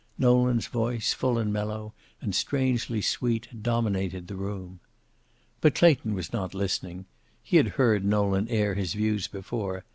Nolan's voice, full and mellow and strangely sweet, dominated the room. But Clayton was not listening. He had heard Nolan air his views before.